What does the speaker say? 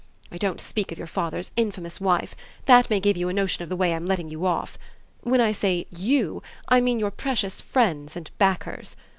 I don't speak of your father's infamous wife: that may give you a notion of the way I'm letting you off. When I say 'you' I mean your precious friends and backers.